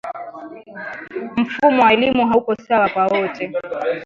Mfumo wa elimu hauko sawa kwa wote